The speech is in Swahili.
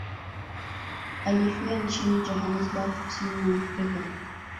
Alifia nchini Johannesburg kusini mwa Afrika